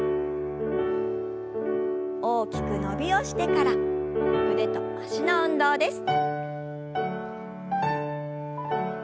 大きく伸びをしてから腕と脚の運動です。